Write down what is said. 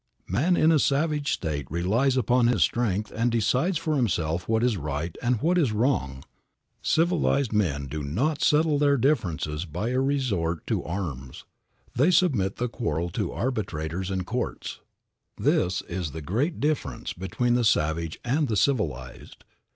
Man in a savage state relies upon his strength, and decides for himself what is right and what is wrong. Civilized men do not settle their differences by a resort to arms. They submit the quarrel to arbitrators and courts. This is the great difference between the savage and the civilized.